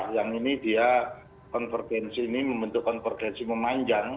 yang ini dia konvergensi ini membentuk konvergensi memanjang